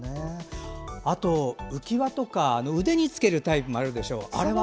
浮き輪とか腕に着けるタイプもあるでしょう。